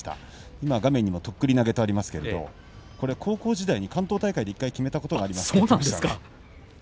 今、画面にとっくり投げとありますけれど高校時代に関東大会で一度決めたことがあるということです。